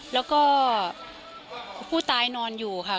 แล้วก็ผู้ตายนอนอยู่ค่ะ